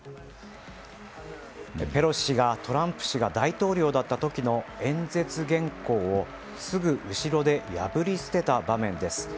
ペロシ氏がトランプ氏が大統領だった時の演説原稿をすぐ後ろで破り捨てた場面です。